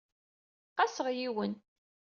Qaseɣ yiwen.